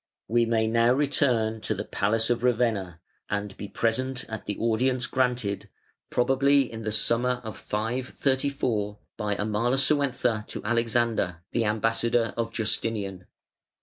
We may now return to the palace of Ravenna and be present at the audience granted, probably in the summer of 534, by Amalasuentha to Alexander, the ambassador of Justinian.